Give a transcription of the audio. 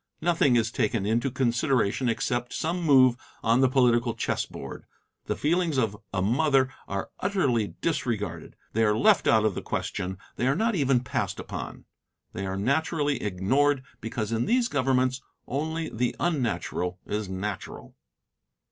Nothing is taken into consideration except some move on the political chess board. The feelings of a mother are utterly disregarded; they are left out of the question; they are not even passed upon. They are naturally ignored, because in these governments only the unnatural is natural.